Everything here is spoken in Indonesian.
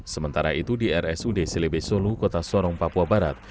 sementara itu di rsud silebesolu kota sorong papua barat